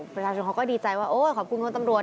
ประชาชนเขาก็ดีใจว่าโอ๊ยขอบคุณคนตำรวจ